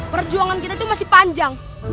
perjuangan kita itu masih panjang